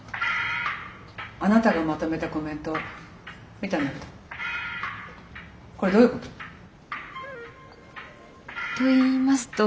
あなたがまとめたコメント見たんだけどこれどういうこと？といいますと。